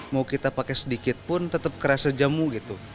mau kita pakai sedikit pun tetap kerasa jamu gitu